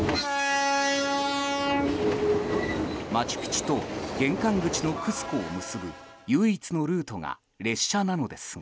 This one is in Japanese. マチュピチュと玄関口のクスコを結ぶ唯一のルートが列車なのですが。